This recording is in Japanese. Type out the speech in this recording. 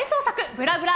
ぶらぶら！